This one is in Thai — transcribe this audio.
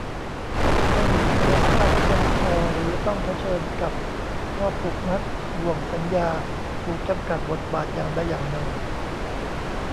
ไม่มีอิสรภาพเพียงพอหรือต้องเผชิญกับข้อผูกมัด บ่วงสัญญา ถูกจำกัดบทบาทอย่างใดอย่างหนึ่ง